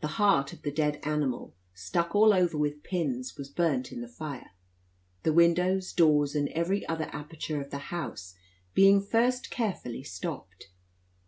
The heart of the dead animal, stuck all over with pins, was burnt in the fire; the windows, doors, and every other aperture of the house being first carefully stopped.